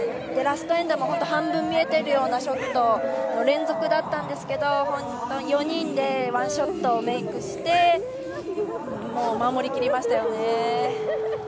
ラストエンドも半分見えているようなショットの連続だったんですけど４人でワンショットをメイクしてもう、守りきりましたよね。